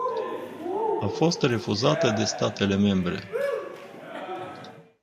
A fost refuzată de statele membre.